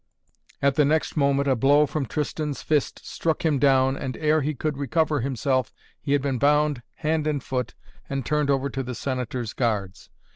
At the next moment a blow from Tristan's fist struck him down and, ere he could recover himself, he had been bound, hand and foot, and turned over to the Senator's guards.